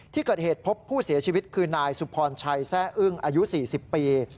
ที่เกิดเหตุพบผู้เสียชีวิตคือนายสุพรชัยแร่อึ้งอายุ๔๐ปี